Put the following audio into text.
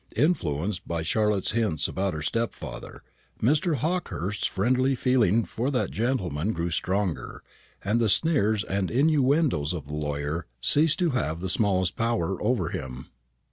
Influenced by Charlotte's hints about her stepfather, Mr. Hawkehurst's friendly feeling for that gentleman grew stronger, and the sneers and innuendoes of the lawyer ceased to have the smallest power over him.